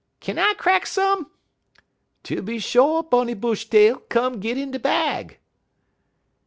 "'Kin I crack some?' "'Tooby sho', Miss Bunny Bushtail; come git in de bag.'